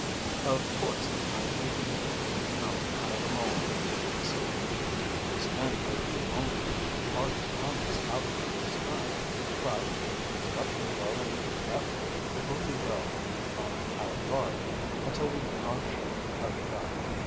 "Of course I may be making a mountain out of a mole hill," he said, in conclusion. "Those men may be only a party of hunters out for a good time, but, from what we have already met with, it will be well to be on our guard until we are sure of the fact.